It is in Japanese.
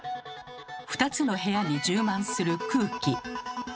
２つの部屋に充満する空気。